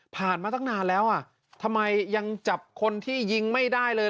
มาตั้งนานแล้วอ่ะทำไมยังจับคนที่ยิงไม่ได้เลย